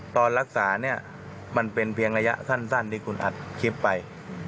ตอนรักษาเนี่ยมันเป็นเพียงระยะสั้นที่คุณอัดคลิปไป